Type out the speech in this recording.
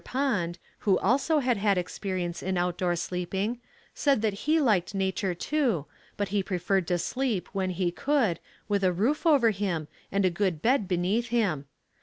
Pond, who also had had experience in outdoor sleeping, said that he liked nature too, but he preferred to sleep, when he could, with a roof over him and a good bed beneath him.